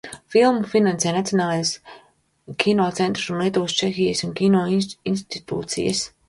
Filmu finansē Nacionālais kino centrs un Lietuvas un Čehijas kino institūcijas.